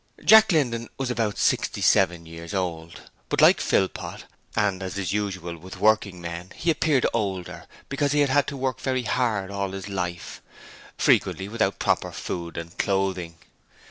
Jack Linden was about sixty seven years old, but like Philpot, and as is usual with working men, he appeared older, because he had had to work very hard all his life, frequently without proper food and clothing.